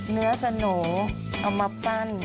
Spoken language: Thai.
เนื้อสโหน่เอามาปั้น